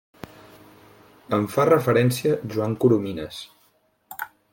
En fa referència Joan Coromines.